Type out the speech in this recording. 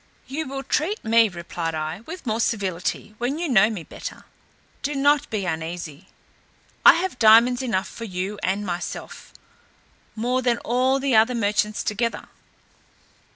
"You will treat me," replied I, "with more civility, when you know me better. Do not be uneasy, I have diamonds enough for you and myself, more than all the other merchants together.